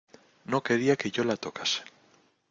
no quería que yo la tocase.